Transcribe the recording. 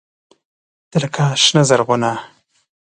تۀ لکه “شنه زرغونه”